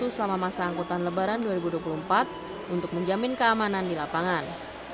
selama masa angkutan lebaran dua ribu dua puluh empat untuk menjamin keamanan di lapangan